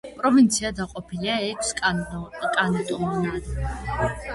პროვინცია დაყოფილია ექვს კანტონად.